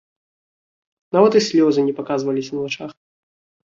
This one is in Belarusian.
Нават і слёзы не паказваліся на вачах.